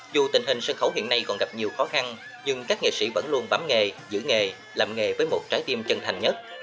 dù tình hình sân khấu hiện nay còn gặp nhiều khó khăn nhưng các nghệ sĩ vẫn luôn bám nghề giữ nghề làm nghề với một trái tim chân thành nhất